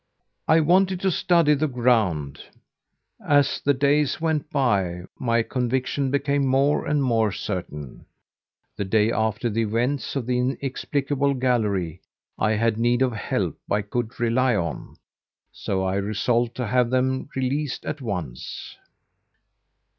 I wanted to study the ground. As the days went by, my conviction became more and more certain. The day after the events of the inexplicable gallery I had need of help I could rely on, so I resolved to have them released at once."